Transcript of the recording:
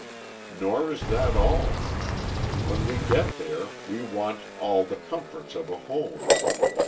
Nor is that all! When we get there we want "all the comforts of a home."